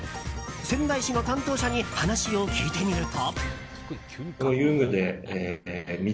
仙台市の担当者に話を聞いてみると。